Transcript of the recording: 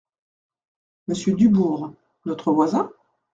Monsieur Dubourg… notre voisin ?